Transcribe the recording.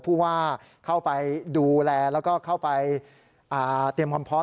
ผู้ว่าเข้าไปดูแลแล้วก็เข้าไปเตรียมความพร้อม